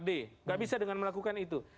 tidak bisa dengan melakukan itu